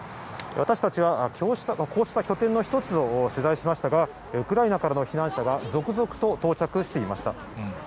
私たちはこうした拠点の１つを取材しましたが、ウクライナからの避難者が続々と到着していました。